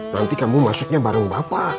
nanti kamu masuknya bareng bapak